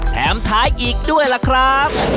แถมท้ายอีกด้วยล่ะครับ